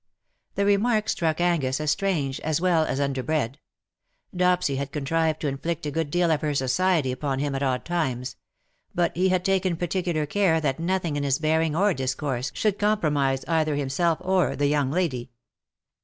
^^ The remark struck ABgus as strange, as well as underbred. Dopsy had contrived to inflict a good deal of her society upon him at odd times ; but he had taken particular care that nothing in his bearing or discourse should compromise either himself or the young lady.